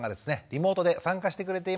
リモートで参加してくれています。